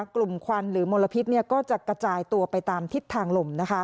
ควันหรือมลพิษก็จะกระจายตัวไปตามทิศทางลม